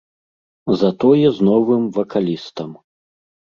Затое з новым вакалістам.